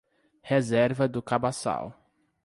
Reserva do Cabaçal